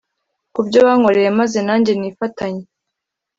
Kubyo wankoreye maze nange nifatanye